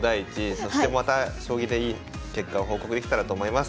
そしてまた将棋でいい結果を報告できたらと思います。